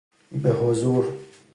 بحضور